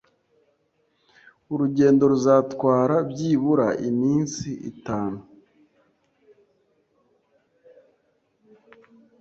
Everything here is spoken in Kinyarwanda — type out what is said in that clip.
Urugendo ruzatwara byibura iminsi itanu.